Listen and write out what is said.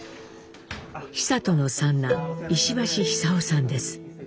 久渡の三男石橋壽生さんです。